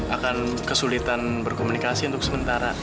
akan kesulitan berkomunikasi untuk sementara